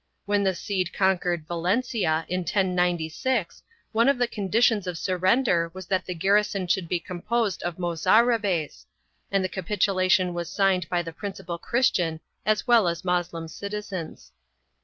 2 When the Cid conquered Valencia, in 1096, one of the conditions of surrender was that the garrison should be composed of Mozarabes, and the capitulation was signed by the principal Christian as well as Moslem citizens.